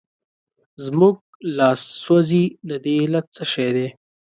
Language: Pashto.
زموږ لاس سوځي د دې علت څه شی دی؟